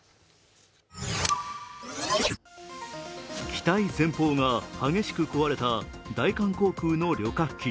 機体前方が激しく壊れた大韓航空の旅客機。